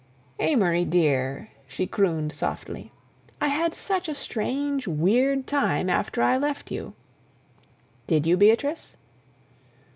"Amory, dear," she crooned softly, "I had such a strange, weird time after I left you." "Did you, Beatrice?"